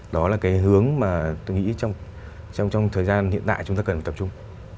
đó là cái hướng mà tôi nghĩ trong thời gian hiện tại chúng ta cần tập trung